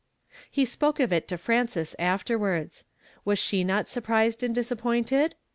He spoke of it to Frances afterwards. Was she not surprised and disappointed?